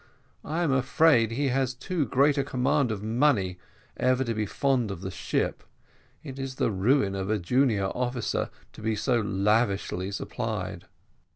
I am afraid he has too great a command of money ever to be fond of the ship; it is the ruin of a junior officer to be so lavishly supplied."